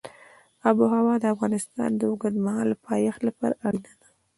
آب وهوا د افغانستان د اوږدمهاله پایښت لپاره اړینه ده.